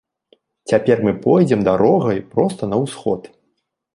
Цяпер мы пойдзем дарогай проста на ўсход.